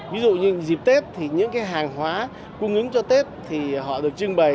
ví dụ như dịp tết thì những cái hàng hóa cung ứng cho tết thì họ được trưng bày